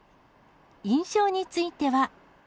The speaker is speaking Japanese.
印象については。